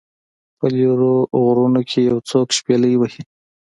په لیرو غرونو کې یو څوک شپیلۍ وهي